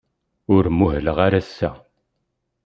Ur muhleɣ ara ass-a.